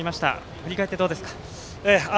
振り返ってどうですか？